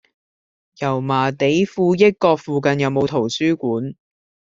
油麻地富益閣附近有無圖書館？